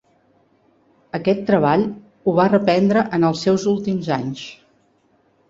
Aquest treball ho va reprendre en els seus últims anys.